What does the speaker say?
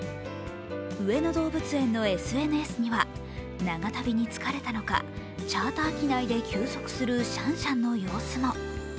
上野動物園のＳＮＳには長旅に疲れたのか、チャーター機内で休息するシャンシャンの様子も。